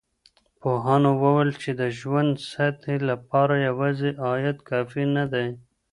پوهانو وويل چی د ژوند سطحې لپاره يوازي عايد کافي نه دی.